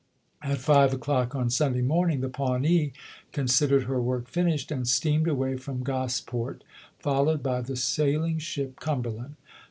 At five o'clock on Sunday morning the Paivnee considered her work finished, and steamed away from Grosport, followed by the sail ing ship Cumberland.